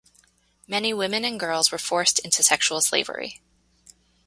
Many women and girls were forced into sexual slavery.